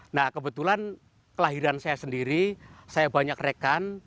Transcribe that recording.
nah kebetulan kelahiran saya sendiri saya banyak rekan